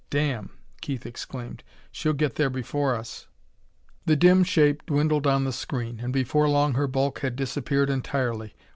"Damn!" Keith exclaimed. "She'll get there before us!" The dim shape dwindled on the screen, and before long her bulk had disappeared entirely.